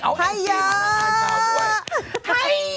เอาแองจี้มานั่งเล่าข่าวด้วย